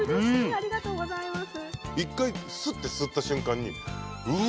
ありがとうございます。